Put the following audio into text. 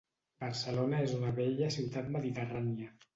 Barcelona es una bella ciutat mediterrània